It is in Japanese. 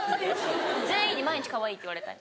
全員に毎日かわいいって言われたい。